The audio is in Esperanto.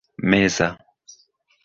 meza